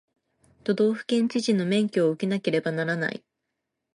都道府県知事の免許を受けなければならない